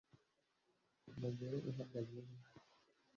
Umugore uhagaze he